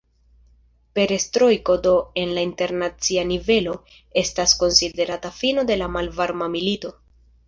Perestrojko do, en la internacia nivelo, estas konsiderata fino de la Malvarma milito.